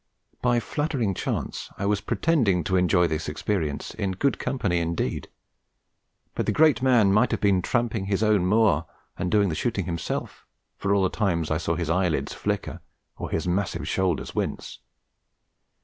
By flattering chance I was pretending to enjoy this experience in good company indeed; but the great man might have been tramping his own moor, and doing the shooting himself, for all the times I saw his eyelids flicker or his massive shoulders wince.